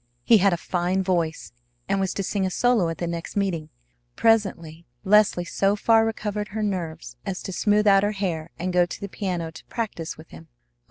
He had a fine voice, and was to sing a solo at the next meeting. Presently Leslie so far recovered her nerves as to smooth out her hair and go to the piano to practise with him.